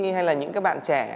hay là những bạn trẻ